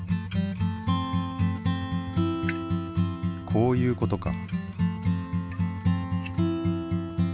こういうことか。